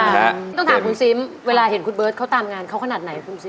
ต้องถามคุณซิมเวลาเห็นคุณเบิร์ตเขาตามงานเขาขนาดไหนคุณซิม